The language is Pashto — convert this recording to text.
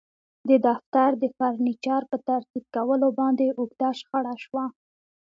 د دفتر د فرنیچر په ترتیب کولو باندې اوږده شخړه شوه